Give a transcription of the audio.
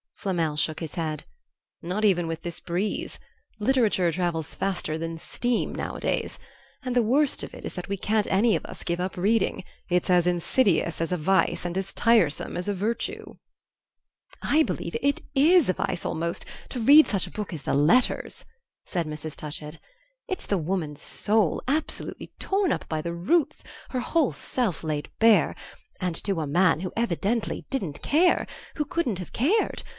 Flamel shook his head. "Not even with this breeze. Literature travels faster than steam nowadays. And the worst of it is that we can't any of us give up reading; it's as insidious as a vice and as tiresome as a virtue." "I believe it IS a vice, almost, to read such a book as the 'Letters,'" said Mrs. Touchett. "It's the woman's soul, absolutely torn up by the roots her whole self laid bare; and to a man who evidently didn't care; who couldn't have cared.